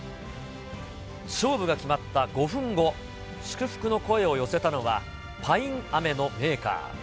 勝負が決まった５分後、祝福の声を寄せたのはパインアメのメーカー。